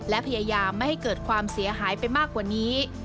และพยายามไม่ให้เกิดความเสียหายไปมากกว่านี้